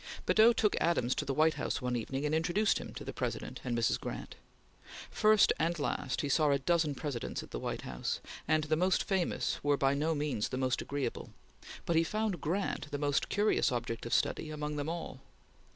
Badeau took Adams to the White House one evening and introduced him to the President and Mrs. Grant. First and last, he saw a dozen Presidents at the White House, and the most famous were by no means the most agreeable, but he found Grant the most curious object of study among them all.